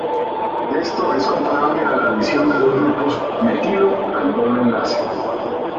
Esto es comparable a la adición de dos grupos metilo al doble enlace.